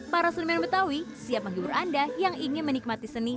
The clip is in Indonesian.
para seniman betawi siap menghibur anda yang ingin menikmati seni